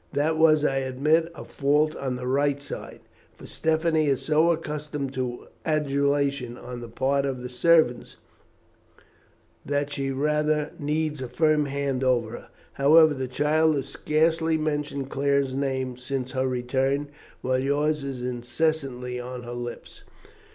That was, I admit, a fault on the right side, for Stephanie is so accustomed to adulation on the part of the servants, that she rather needs a firm hand over her. However, the child has scarcely mentioned Claire's name since her return, while yours is incessantly on her lips."